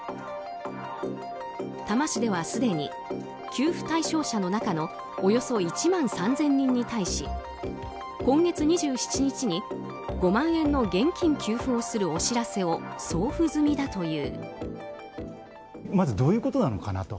多摩市では、すでに給付対象者の中のおよそ１万３０００人に対し今月２７日に５万円の現金給付をするお知らせを送付済みだという。